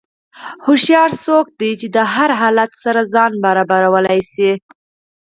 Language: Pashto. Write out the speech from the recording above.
هوښیار څوک دی چې د هر حالت سره ځان برابرولی شي.